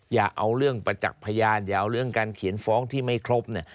อย่าเอาเรื่องประจักษ์พยานอย่าเอาเรื่องการเขียนฟ้องที่ไม่ครบเนี่ย